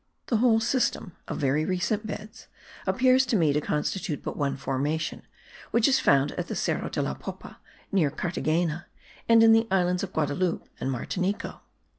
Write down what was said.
The whole system (of very recent beds) appears to me to constitute but one formation, which is found at the Cerro de la Popa, near Carthagena, and in the islands of Guadaloupe and Martinico.